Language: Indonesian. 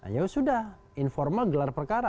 ya sudah informal gelar perkara